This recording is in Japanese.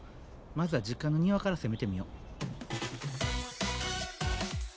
まずは実家の庭から攻めてみよ。